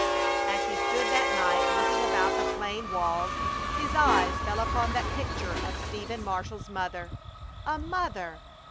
As he stood that night looking about the plain walls, his eyes fell upon that picture of Stephen Marshall's mother. A mother!